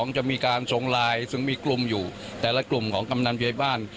จะมีการส่งไลน์ซึ่งมีกลุ่มอยู่แต่ละกลุ่มของกำนันเพบ้าน